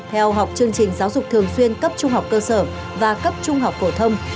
theo học chương trình giáo dục thường xuyên cấp trung học cơ sở và cấp trung học phổ thông